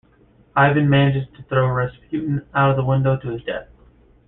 Ivan manages to throw Rasputin out of the window to his death.